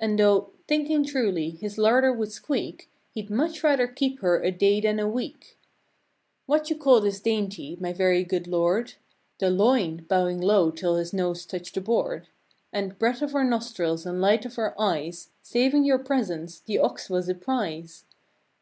And thought, thinking truly, his larder would squeak, He'd much rather keep her a day than a week. "What call you this dainty, my very good Lord?" "The Loin," bowing low till his nose touched the board. ''And, breath of our nostrils and light of our eyes, Saving your presence, the ox was a prize!"